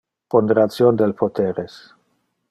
Ponderation del poteres.